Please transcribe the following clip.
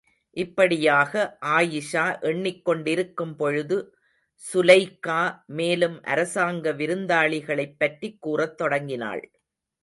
இப்படியாக ஆயிஷா எண்ணிக் கொண்டிருக்கும் பொழுது சுலெய்க்கா மேலும் அரசாங்க விருந்துகளைப்பற்றிக் கூறத் தொடங்கினாள்.